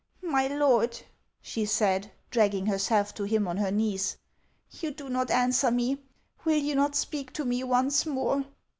'• My lord," she said, dragging herself to him on her knees, " you do not answer me. Will you not speak to me once more